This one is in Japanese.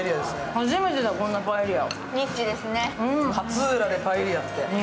初めてだ、こんなパエリア。